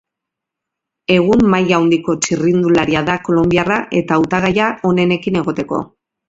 Egun maila handiko txirrindularia da kolonbiarra eta hautagaia onenekin egoteko.